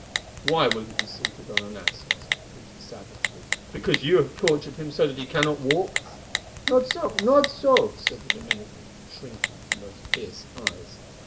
"Why will he be seated on an ass?" asked Peter savagely. "Because you have tortured him so that he cannot walk?" "Not so—not so," said the Dominican, shrinking from those fierce eyes.